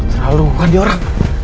terlalu bukan dia orang